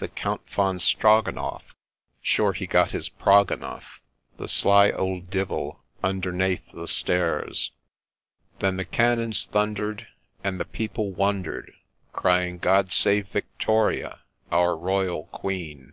the Count Von Strogonoff, sure he got prog enough, The sly ould Divil, undernathe the stairs. Then the cannons thunder' d, and the people wonder' d, Crying, ' God Save Victoria, our Royal Queen